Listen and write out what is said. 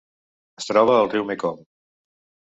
Es troba al riu Mekong: